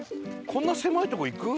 こんな狭いとこ行く？